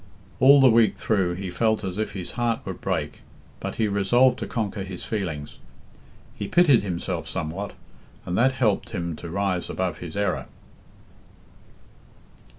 All the week through he felt as if his heart would break; but he resolved to conquer his feelings. He pitied himself somewhat, and that helped him to rise above his error.